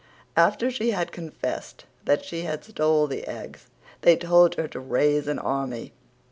After she had confessed that she had stole the eggs they told her to raise an army.